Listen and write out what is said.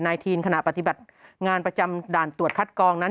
ทีนขณะปฏิบัติงานประจำด่านตรวจคัดกองนั้น